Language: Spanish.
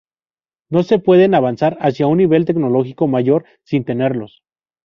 No se puede avanzar hacia un nivel tecnológico mayor sin tenerlos.